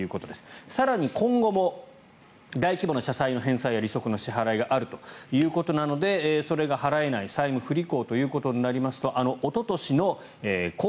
更に今後も大規模な社債の返済や利息の支払いがあるということなのでそれが払えない債務不履行ということになりますとおととしの恒